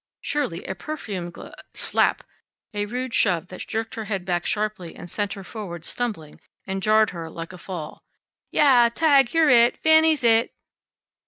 Surely a perfumed g Slap! A rude shove that jerked her head back sharply and sent her forward, stumbling, and jarred her like a fall. "Ya a a! Tag! You're it! Fanny's it!"